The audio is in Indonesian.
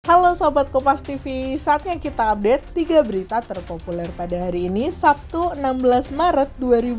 halo sobat kompas tv saatnya kita update tiga berita terpopuler pada hari ini sabtu enam belas maret dua ribu dua puluh